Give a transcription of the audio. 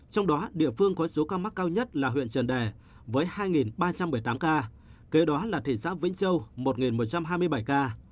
trong đó địa phương có số ca mắc cao nhất là huyện trần đè với hai ba trăm một mươi tám ca kế đó là thị xã vĩnh châu một một trăm hai mươi bảy ca